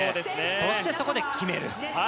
そして、そこで決める。